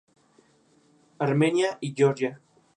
Fueron convocados a presentarse en grandes fiestas privadas.